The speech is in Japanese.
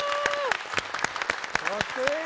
かっこいい！